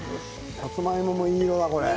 さつまいももいい色だ。